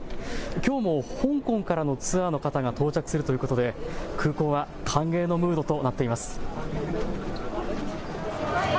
きょうも香港からのツアーの方が到着するということで空港は歓迎のムードとなっています。